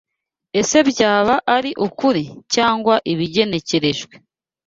Ese byaba ari ukuri cyangwa ibigenekerejwe